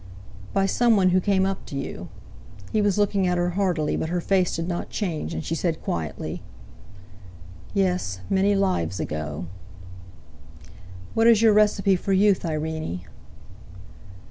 "By someone who came up to you." He was looking at her hardily, but her face did not change; and she said quietly: "Yes; many lives ago." "What is your recipe for youth, Irene?"